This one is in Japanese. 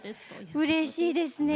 うれしいですね。